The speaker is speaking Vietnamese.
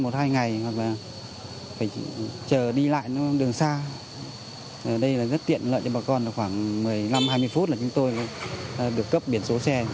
trong một mươi năm hai mươi phút là chúng tôi được cấp biển số xe